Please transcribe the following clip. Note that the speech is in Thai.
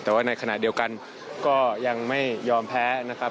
แต่ว่าในขณะเดียวกันก็ยังไม่ยอมแพ้นะครับ